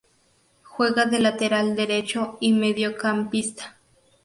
Juega de lateral derecho y mediocampista.